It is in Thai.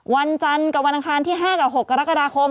วันจันทร์กับวันอังคารที่๕กับ๖กรกฎาคม